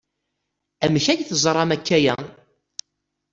Amek ay teẓram akk aya?